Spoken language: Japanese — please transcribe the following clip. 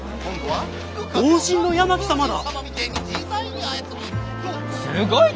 同心の八巻様だ！